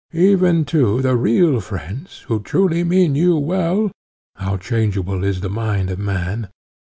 Even too the real friends, who truly mean you well how changeable is the mind of man!